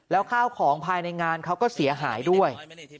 แล้วข้าวของภายในงานเขาก็เสียหายด้วย